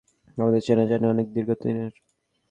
আমাদের চেনাজানা অনেক দীর্ঘদিনের।